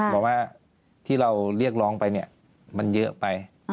เพราะว่าที่เราเรียกร้องไปมันเยอะไป